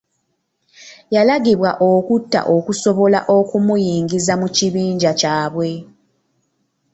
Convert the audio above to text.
Yalagibwa okutta okusobola okumuyingiza mu kibinja kyabwe.